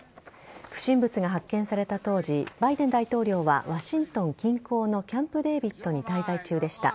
不審物が発見された当時バイデン大統領はワシントン近郊のキャンプデービッドに滞在中でした。